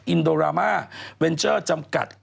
อินโดรามาเวนเจอร์จำกัด